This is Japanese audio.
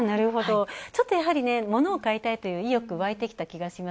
ちょっとやはり物を買いたいという意欲わいてきた気がします。